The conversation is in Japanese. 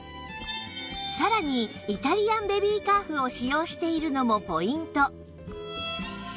さらにイタリアンベビーカーフを使用しているのもポイント